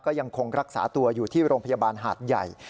ยังคงรักษาตัวอยู่ที่โรงพยาบาลหาดใหญ่